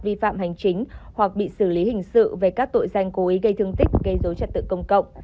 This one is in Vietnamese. vi phạm hành chính hoặc bị xử lý hình sự về các tội danh cố ý gây thương tích gây dối trật tự công cộng